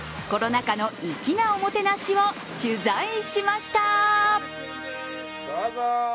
コロナ禍の粋なおもてなしを取材しました。